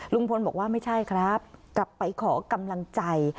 ลุงพลบอกว่าไม่ใช่ครับกลับไปขอกำลังใจ